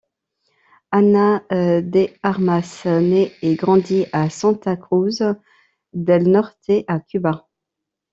Ana de Armas naît et grandit à Santa Cruz del Norte à Cuba.